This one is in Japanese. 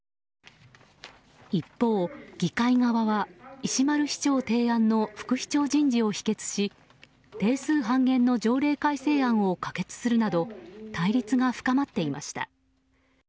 一方、議会側は石丸市長提案の副市長人事を否決し定数半減の条例改正案を可決するなど対立が深まっていました。